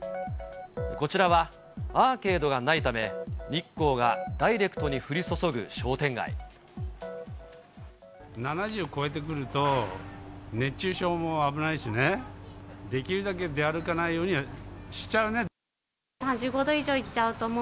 こちらはアーケードがないため、日光がダイレクトに降り注ぐ商店７０超えてくると、熱中症も危ないしね、できるだけ出歩かないようにはしちゃうね。